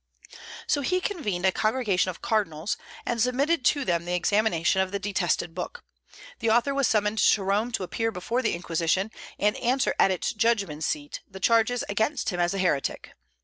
So he convened a congregation of cardinals, and submitted to them the examination of the detested book. The author was summoned to Rome to appear before the Inquisition, and answer at its judgment seat the charges against him as a heretic.